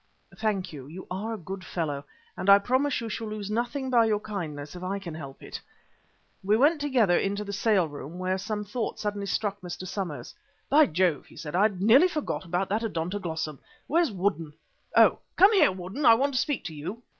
"Thank you. You are a good fellow, and I promise you shall lose nothing by your kindness if I can help it." We went together into the sale room, where some thought suddenly struck Mr. Somers. "By Jove!" he said, "I nearly forgot about that Odontoglossum. Where's Woodden? Oh! come here, Woodden, I want to speak to you."